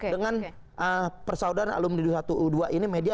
dengan persaudaraan alumni pa dua ratus dua belas ini media